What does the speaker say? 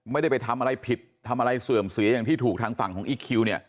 ไม่ได้ไปทำอะไรผิดทำอะไรเสื่อมเสียอย่างที่ถูกทางฝั่งของอีคคิวเนี่ย